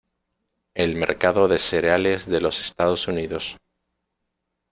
El mercado de cereales de los estados unidos.